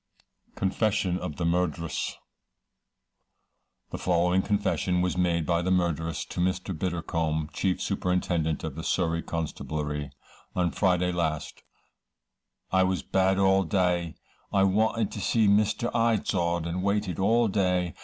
Confession of the Murderess. The following confession was made by the murderess, to Mr. Biddlecombe, chief superintendent of the Surrey Constabulary: "On Friday last, I was bad all day; I wanted to see Mr. Izod, and waited all day.